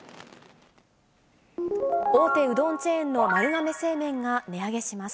大手うどんチェーンの丸亀製麺が値上げします。